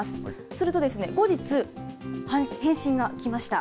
すると、後日返信が来ました。